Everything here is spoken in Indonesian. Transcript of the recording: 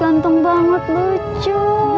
ganteng banget lucu